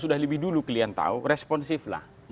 sudah lebih dulu kalian tahu responsiflah